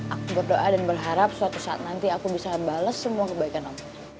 aku berdoa dan berharap suatu saat nanti aku bisa bales semua kebaikan allah